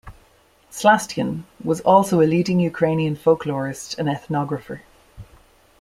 Slastion was also a leading Ukrainian folklorist and ethnographer.